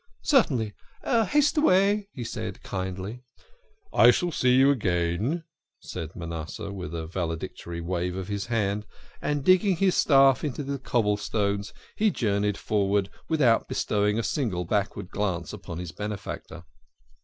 " Certainly, haste away," he said kindly. " I shall see you again," said Manasseh, with a valedictory wave of his hand, and digging his staff into the cobblestones he journeyed forwards without bestowing a single backward glance upon his benefactor.